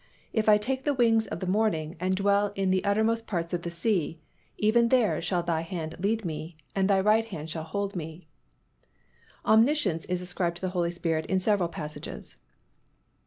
If I take the wings of the morning, and dwell in the uttermost parts of the sea; even there shall Thy hand lead me, and Thy right hand shall hold me." Omniscience is ascribed to the Holy Spirit in several passages.